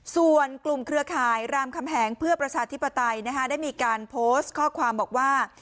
ส่วนกลุ่มเครือข่ายรามคำแหงเพื่อประชาธิปไตยได้มีการโพสต์ข้อความบอกว่า